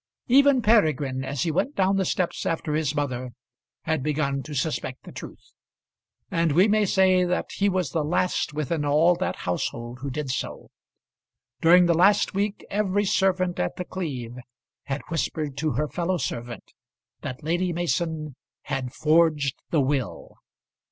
Even Peregrine, as he went down the steps after his mother, had begun to suspect the truth; and we may say that he was the last within all that household who did so. During the last week every servant at The Cleeve had whispered to her fellow servant that Lady Mason had forged the will.